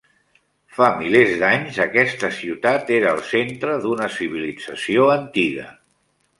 Fa milers d'anys, aquesta ciutat era el centre d'una civilització antiga.